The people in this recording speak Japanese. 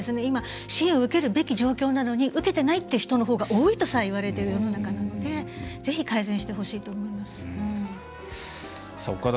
今、支援を受けるべき状況なのに受けてないって人のほうが多いとさえ言われてる世の中なのでぜひ改善してほしいと思います。